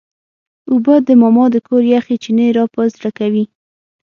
اوبه د ماما د کور یخ چینې راپه زړه کوي.